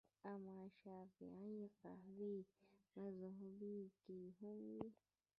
امام شافعي فقهي مذهبونو کې وو